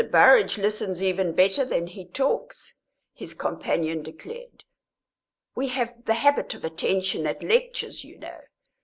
Burrage listens even better than he talks," his companion declared. "We have the habit of attention at lectures, you know.